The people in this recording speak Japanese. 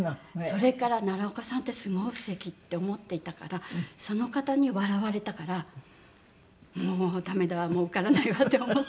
それから奈良岡さんってすごい素敵って思っていたからその方に笑われたからもうダメだわもう受からないわって思って。